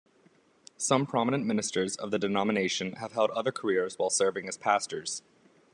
Some prominent ministers of the denomination have held other careers while serving as pastors.